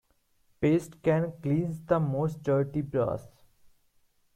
Paste can cleanse the most dirty brass.